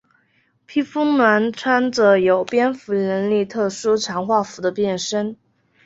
披风男穿着有蝙蝠能力特殊强化服的变身。